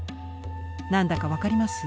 何だか分かります？